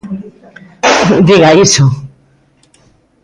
Diga iso.